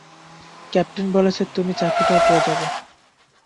Captain বলেছে তুমি চাকরিটাও ফিরে পাবে।